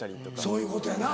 そういうことやな。